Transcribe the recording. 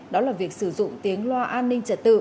đó là việc sử dụng tiếng loa an ninh trật tự